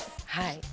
はい。